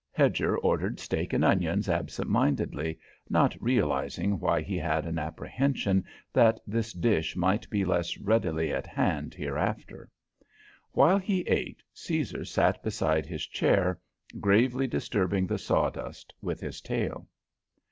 Hedger ordered steak and onions absentmindedly, not realizing why he had an apprehension that this dish might be less readily at hand hereafter. While he ate, Caesar sat beside his chair, gravely disturbing the sawdust with his tail.